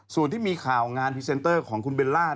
ส่วนที่มีข่าวงานพรีเซนเตอร์ของคุณเบลล่า